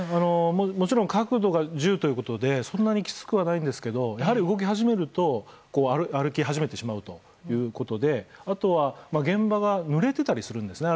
もちろん角度が１０ということでそんなにきつくはないんですけど動き始めると歩き始めてしまうということであとは、現場がぬれてたりするんですね。